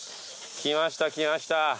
来ました来ました。